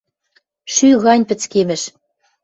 Шӱ гань пӹцкемӹш...